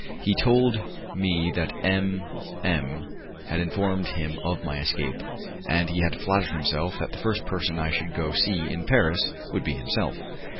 He told me that M M had informed him of my escape, and he had flattered himself that the first person I should go and see in Paris would be himself.